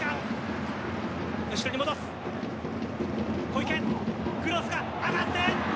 こいけ、クロスが上がって？